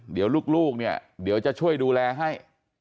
เดี๋ยวลูกเนี่ยเดี๋ยวจะช่วยดูแลให้